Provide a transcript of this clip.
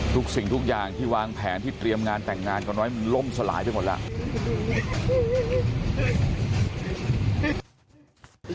สิ่งทุกอย่างที่วางแผนที่เตรียมงานแต่งงานกันไว้มันล่มสลายไปหมดแล้ว